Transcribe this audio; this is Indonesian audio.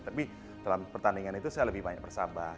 tapi dalam pertandingan itu saya lebih banyak bersabar